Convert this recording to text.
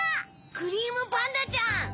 クリームパンダちゃん！